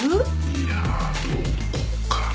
いやぁどこかな。